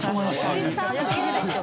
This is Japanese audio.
おじさんすぎるでしょ。